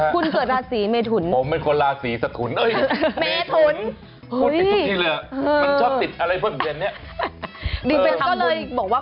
คือบักเกาะนี่แปลว่า